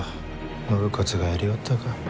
信雄がやりおったか。